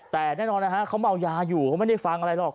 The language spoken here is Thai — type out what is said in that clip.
แต่แน่นอนนะฮะเขาเมายาอยู่เขาไม่ได้ฟังอะไรหรอก